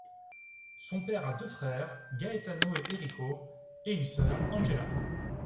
Son père a deux frères, Gaetano et Errico, et une sœur, Angela.